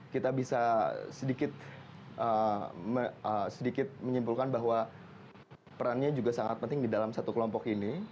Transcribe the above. kita bisa sedikit menyimpulkan bahwa perannya juga sangat penting di dalam satu kelompok ini